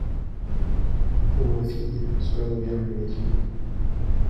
Pauvre fille ! cela doit bien l’ennuyer.